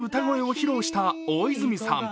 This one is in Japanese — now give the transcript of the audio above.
見事な歌声を披露した大泉さん。